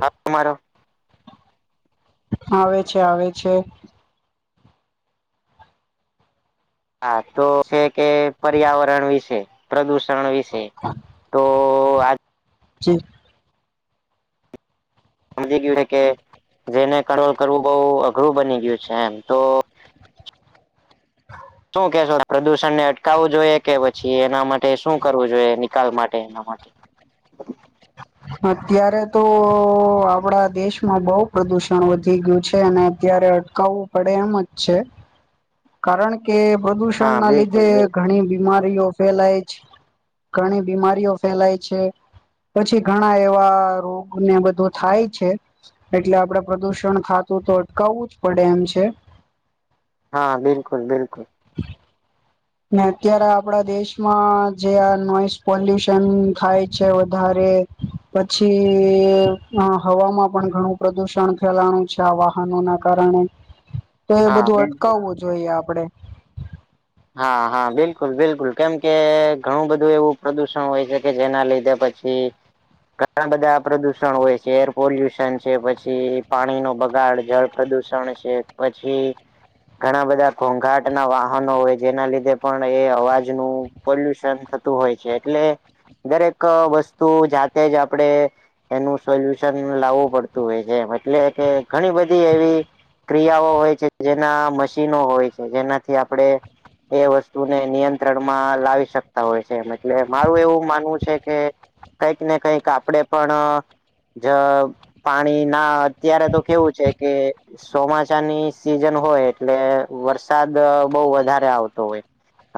હા તમારો. આવે છે આવે છે. હા તો છે કે પર્યાવરણ વિશે, પ્રદુષણ વિશે. હા. તો આજ જે સમય કે જેને કો કરવું બહુ અઘરું બની ગયું છે. એમ તો શું કેશો પ્રદૂષણને અટકાવું જોઈએ કે પછી, એના માટે શું કરવું જોઈએ નિકાલ માટે એના માટે? અત્યારે તો આપડા દેશમાં બો પ્રદુષણ વધી ગયું છે અને અત્યારે કવું પડે એમ જ છે. કારણ કે પ્રદુષણ હા ના બિલકુલ લીધે બિલકુલ ઘણી બીમારીઓ ફેલાય છે, ઘણી બીમારીઓ ફેલાય છે પછી. ઘણા એવા રોગ ને બધું થાય છે. એટલે આપળે પ્રદુષણ થાતું તો અટકાવું જ પડે એમ છે. હા બિલકુલ બિલકુલ. ને અત્યારે આપળા દેશમાં જે આ નોઈસ પોલ્યુશન થાય છે વધારે પછી અ હવામાં પણ ઘણું પ્રદુષણ ફેલાળુ છે. આ વાહનો ના કારણે, તો એ હા બધું બિલકુલ અટકાવું જોઈએ આપળે. હા હા બિલકુલ બિલકુલ કેમ કે, ઘણું બધું એવું પ્રદુષણ હોય છે કે જેના લીધે પછી. કે ઘણા બધા પ્રદુષણ હોય છે. એર પોલ્યુશન છે, પછી પાણીનો બગાડ જળ પ્રદૂષણ છે. પછી ઘણા બધા ઘોઘાટના વાહનો હોય. જેના લીધે પણ એ અવાજનું પોલ્યુશન થતું હોય છે. એટલે દરેક વસ્તુ જાતે જ આપડે એનું સોલ્યુશન લાવવું પડતું હોય છે એમ. એટલે કે ઘણી બધી એવી ક્રિયાઓ હોય છે. જેના મશીનો હોય છે, જેનાથી આપણે એ વસ્તુને નિયંત્રણમાં લાવી શકતા હોય છે એમ એટલે મારું એવું માનવું છે કે કંઈક ને કચઈક આપણે પણ અ જ પાણીના અત્યારે તો કેવું છે કે ચોમાસાાની સિઝન હોય એટલે વરસાદ બઉ વધારે આવ તો હોય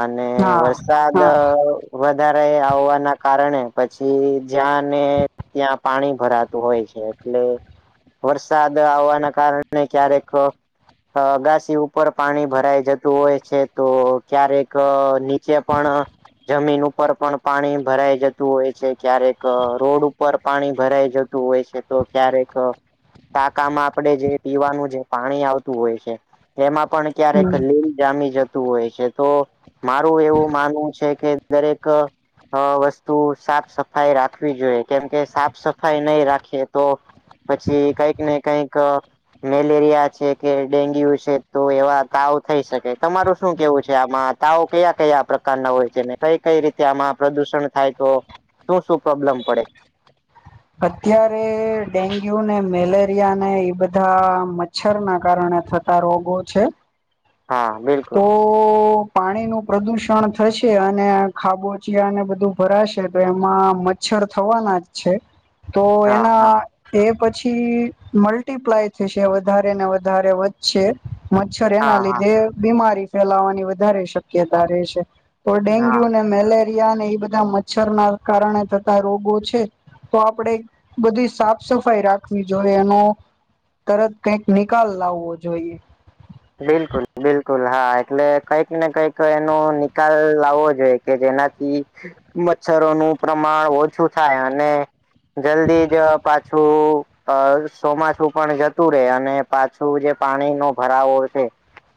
અને હા વરસાદ હા વધારે આવવાના કારણે, પછી જ્યાંને ત્યાં પાણી ભરાતું હોય છે એટલે વરસાદ આવવાના કારણે ક્યારેક અ અગાસી ઉપર પાણી ભરાઈ જતું હોય છે. તો ક્યારેક નીચે પણ જમીન ઉપર પણ પાણી ભરાઈ જતું હોય છે. ક્યારેક રોડ ઉપર પાણી ભરાઈ જતું હોય છે. તો ક્યારેક ટાકામાં આપણેે જે પીવાનું જે પાણી આવતું હોય છે એમાં પણ ક્યારેક હમ લીલ જામી જતું હોય છે તો મારું એવું માનવું છે કે દરેક અ વસ્તુ સાફસફાઈ રાખવી જોઈએ કેમકે સાફ સફાઈ નઈ રાખીએ તો પછી કંઈક ને કંઈક અ મેલેરિયા છે કે ડેન્ગ્યુ છે તો એવા તાવ થઈ શકે તમારું શું કેવું છે આમાં? તાવો કયા-કયા પ્રકારના હોય છે ને કઈ કઈ રીતે આમાં પ્રદુષણ થાય તો શું શું પ્રોબ્લેમ પડે? અત્યારે ડેન્ગ્યુને મેલેરિયાને ઈ બધાં મ ચ્છરના કારણે થતાં રોગો છે. હા, બિલકુલ. તો પાણીનું પ્રદૂષણ થશે અને ખાબોચિયાને બધું ભરાશે તો એમાં મચ્છર થવાના જ છે. તો હા એના હા એ પછી મલ્ટીપ્લાય થશેને વધારે ને વધારે છે મચ્છર હા એના હા લીધે બીમારી ફેલાવાની વધારે શક્યતા રેય છે. તો હા ડેન્ગ્યુને મેલેરિયાને એ બધાં મચ્છરના કારણે થતા રોગો છે. તો આપણેે બધી સાફસફાઈ રાખવી જોઈએ અને તરત કાઈક નિકાલ લાવવો જોઈએ. બિલકુલ બિલકુલ હા એટલે કંઈક ને કઈક એનો નિકાલ આવવો જોઈએ કે જેના થી મચ્છરોનું પ્રમાણ ઓછું થાય અને જલ્દી જ પાછું અ ચોમાસું પણ જતું રે અને પાછું જે પાણીનો ભરાવો છે.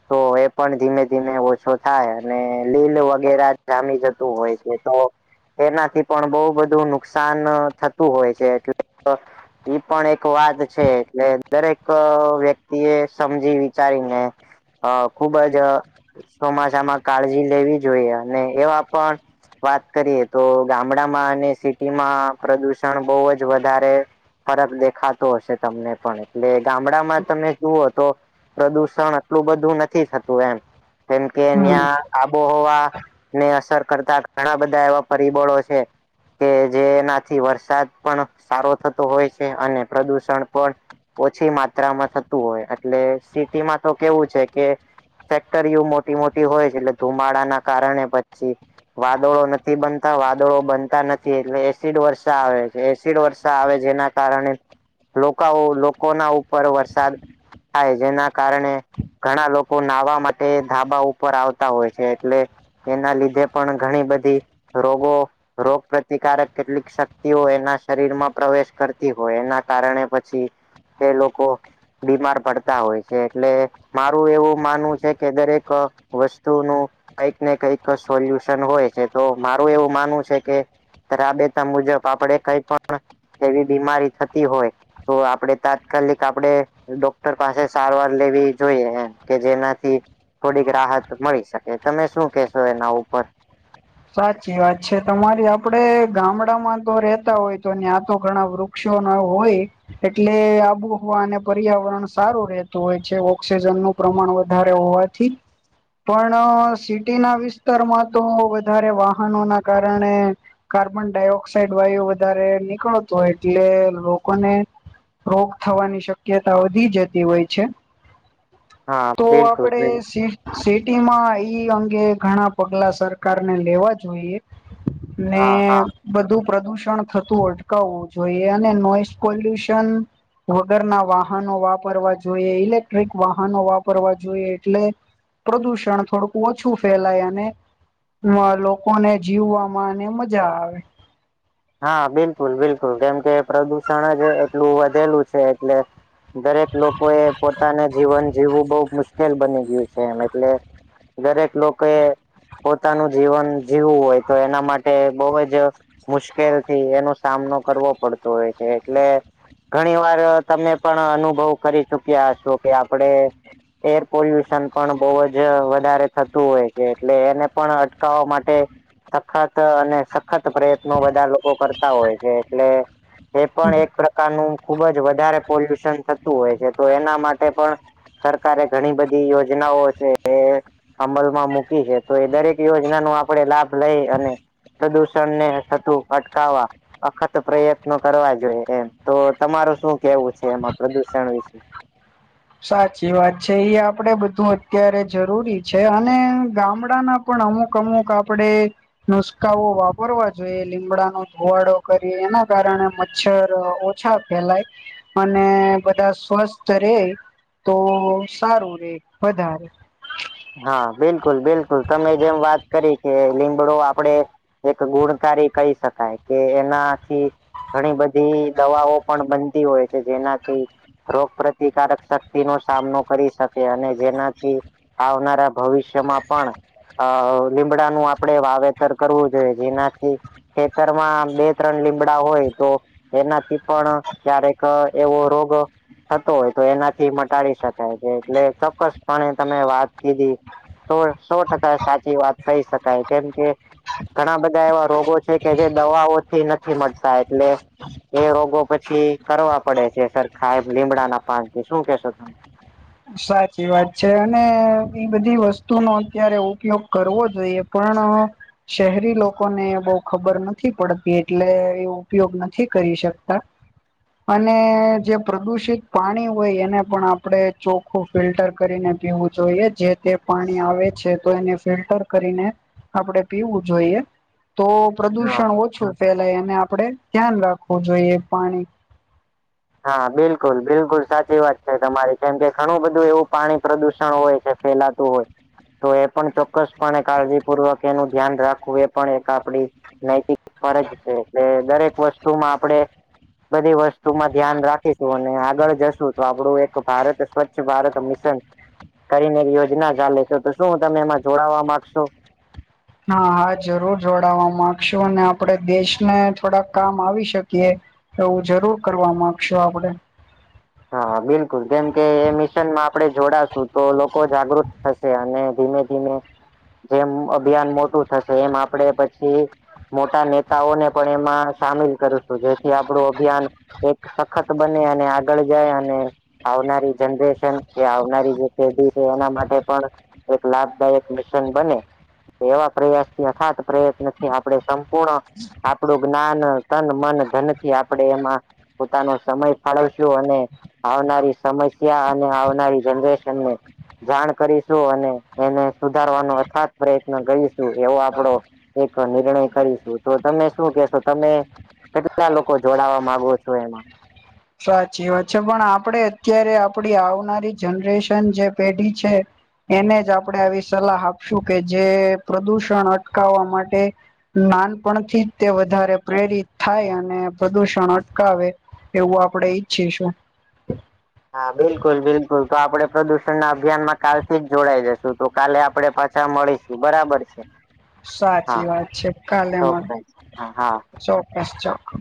તો એ પણ ધીમે-ધીમે ઓછો થાય અને લીલ વગેરા જામી જતું હોય છે તો એનાથી પણ બઉ બધું નુકસાન થતું હોય છે એટલે તો ઈ પણ એક વાત છે એટલે દરેક અ વ્યક્તિએ સમજી વિચારીને અ ખૂબ જ ચોમાસામાં કાળજી લેવી જોઈએ અને એવાં પણ વાત કરીએ તો, ગામડામાં અને સિટીમાં પ્રદુષણ બવ જ વધારે ફરક દેખાતો હશે તમને પણ એટલે ગામડામાં તમે જુઓ તો પ્રદુષણ આટલું બધું નથી થતું એમ કેમ કે હમ ન્યાં આબોહવાને અસર કરતાં ઘણાં બધાં એવા પરિબળો છે. કે જેનાથી વરસાદ પણ સારો થતો હોય છે અને પ્રદુષણ પણ ઓછી માત્રામાં થતું હોય એટલે સિટીમાં તો કેવું છે કે ફેક્ટરીઓ મોટી-મોટી હોય છે એટલે ધુમાડાના કારણે પછી વાદળો નથી બનતાં વાદળો બનતાં નથી એટલે એસિડવર્ષા આવે છે એસિડવર્ષા આવે જેનાં કારણે લોકાઓ લોકોનાં ઉપર વરસાદ થાય જેના કારણે ઘણાં લોકો નાહવા માટે ધાબા ઉપર આવતા હોય છે એટલે એના લીધે પણ ઘણી બધી રોગો રોગપ્રતિકારક કેટલીક શક્તિઓ એના શરીરમાં પ્રવેશ કરતી હોય એના કારણે પછી તે લોકો બીમાર પડતાં હોય છે એટલે મારું એવું માનવું છે કે દરેક વસ્તુનું કંઈક ને કઈક સોલ્યુશન હોય છે તો મારું એવું માનવું છે કે રાબેતા મુજબ આપડે કઈ પણ એવી બીમારી થતી હોય. તો આપડે તાત્કાલિક આપડે ડોક્ટર પાસે સારવાર લેવી. જોઈએ એમ કે જેનાથી થોડીક રાહત મળી શકે તમે શું કેશો એના ઉપર? સાચી વાત છે તમારી, આપડે ગામડામાં તો રેતા હોય તો ન્યા તો ઘણાં વૃક્ષ વૃક્ષો ન હોય. એટલે આબોહવા અને પર્યાવરણ સારું રહેતું હોય છે. ઓક્સિજન નું પ્રમાણ વધારે હોય ઠીક પણ સિટીના વિસ્તારમાં તો વધારે વાહનો ના કારણે કાર્બન ડાયોક્સાઇડ વાયુ વધારે નીકળતો હોય એટલે લોકોને રોગ થવાની શક્યતા વધી જતી હોય છે. હા તો બિલકુલ આપડે બિલકુલ સી સિટી માં ઈ અંગે ઘણા પગલા સરકાર ને લેવા જોઈએ ને હા હા બધું પ્રદુષણ થતું અટકાવવું જોઈએ અને નોઈસ પોલ્યુશન વગરના વાહનો વાપરવા જોઈએ ઇલેક્ટ્રિક વાહનો વાપરવા જોઈએ એટલે પ્રદૂષણ થોડુંક ઓછું ફેલાય અને મા લોકોને જીવવામાંને મજા આવે. હા બિલકુલ બિલકુલ કેમ કે પ્રદુષણ જ એટલું વધેલું છે. એટલે દરેક લોકો એ પોતાને જીવન જીવવું બહુ મુશ્કેલ બની ગયું છે. એમ એટલે દરેક લોકો એ પોતાનું જીવન જીવવું હોય તો એના માટે બહુ જ મુશ્કેલથી એનો સામનો કરવો પડતો હોય છે. એટલે ઘણી વાર તમે પણ અનુભવ કરી ચુક્યા છો કે આપડે એર પોલ્યુશન પણ બઉજ વધારે થતું હોય છે. એટલે એને પણ અટકાવવા માટે સખત અને સખત પ્રયત્ન બધા લોકો કરતા હોય છે એટલે એ પણ એક નું ખુબ જ વધારે પોલ્યુશન થતું હોય છે તો એના માટે પણ સરકારે ઘણી બધી યોજનાઓ છે. અમલમાં મૂકી છે તો એ દરેક યોજના ન આપે લાભ લઈ અને પ્રદુષણને થતું અટકાવા અખત પ્રયત્નો કરવા જોઈએ. એમ તો તમાર શું કેવું છે એમાં પ્રદુષણ વિશે? સાચી વાત છે ઈ આપડે બધું અત્યારે જરૂરી છે અને ગામડાના પણ અમુક અમુક આપડે નુસકાઓ વાપરવા જોઈએ લીમડાનો ધોવાડો કરીએ એના કારણે મચ્છર ઓછા ફેલાય અને બધા સ્વસ્થ રે તો સારું રે વધારે હા બિલકુલ બિલકુલ તમે જેમ વાત કરી કે લીંબડો આપડે એક ગુણકારી કહી શકાય કે એના થી ઘણી બધી દવાઓ પણ બનતી હોય. જેનાથી રોગ પ્રતિકારક શક્તિ નો સામનો કરી શકે અને જેનાથી આવનારા ભવિષ્યમાં પણ અ લીમડાનું આપણેે વાવેત ખતર કરવું જોઈએ જેનાથી ખેતરમાં બે ત્રણ લીમડા હોય તો એનાથી પણ ક્યારેક એવો રોગ થતો હોય તો એનાથી મટાડી શકાય છે એટલે ચોક્કસપણે તમે વાત કીધી તો સો ટકા સાચી વાત કહી શકાય કેમ કે ઘણા બધા એવા રોગો છે કે જે દવાઓથી નથી મળતા એટલે એ રોગો પછી કરવા પડે છે સર ખાયબ લીમડાના પાન થી શું કેશો તમે? સાચી વાત છે અને ઈ બધી વસ્તુ નો અત્યારે ઉપયોગ કરવો જોઈએ. પણ. શહેરી લોકોને બહું ખબર નથી પડતી એટલે એ ઉપયોગ નથી કરી શકતા. અને જે પ્રદુષિત પાણી હોય એને પણ આપણેે ચોખ્ખું ફિલ્ટર કરીને પીવું જોઈએ જે તે પાણી આવે છે તો એને ફિલ્ટર કરીને આપડે પીવું જોઈએ તો હા પ્રદૂષણ ઓછું ફેલાય અને આપડે ધ્યાન રાખવું જોઈએ પાણી. હા બિલકુલ બિલકુલ સાચી વાત છે તમારી કેમ કે ઘણું બધું એવું પાણી પ્રદુષણ હોય છે ફેલાતું હોય તો એ પણ ચોક્કસપણે કાળજીપૂર્વક એનું ધ્યાન રાખવું એ પણ એક આપડી નૈતિક ફરજ છે એટલે દરેક વસ્તુમાં આપણેે બધી વસ્તુમાં ધ્યાન રાખીશું અને આગળ જશું તો આપડું એક ભારત સ્વચ્છ ભારત મિશન કરીને યોજના ચાલે છે તો શું તમે એમાં જોડાવા માંગશો હા હા જરૂર જોડાાવવા માંગશું અને આપડે દેશને થોડાક કામ આવી શકીએ એવું જરૂર કરવા માંગશુ આપડે હા બિલકુલ કેમ કે એ મિશનમાં આપણે જોડાશું તો લોકો જાગૃત થશે અને ધીમે ધીમે જેમ અભિયાન મોટું થશે એમ આપડે પછી મોટા નેતાઓને પણ એમાં સામેલ કરું તો જેથી આપડું અભિયાન એક સખત બને અને આગળ જાય અને આવનારી જનરેશન એ આવનારી જેે છે એના માટે પણ એક લાભદાયક મિશન બને એવા પ્રયાસથી અખાત પ્રયત્નથી આપણે સંપૂર્ણ આપડું જ્ઞાન તન મન ધનથી આપણે એમાં પોતાનો સમય ફાળવશે અને આવનારી સમસ્યા અને આવનારી જનરેશનને જાણ કરીશું અને એને સુધારવાનો અથાત પ્રયત્ન કરીશું એવો આપડો એક નિર્ણય કરીશું તો તમે શું કેશો તમે કેટલા લોકો જોડાવા માંગો છો એમાં સાચી વાત છે પણ આપડે અત્યારે આપડી આવનારી જનરેશન જે પેઢી છે એને જ આપણે આવી સલાહ આપશું કે જે પ્રદુષણ અટકાવવા માટે નાનપણથી જ તે વધારે પ્રેરિત થાય અને પ્રદુષણ અટકાવે એવું આપણે ઈચ્છીશું. હા બિલકુલ બિલકુલ તો આપડે પ્રદુષણ ના અભિયાનમાં કાલથી જ જોડાઈ જશે તો કાલે આપડે પાછા મળીશું બરાબર છે હા સાચી વાત છે કાલે ચોક્કસ હા હા મળીશું ચોક્કસ ચોકસ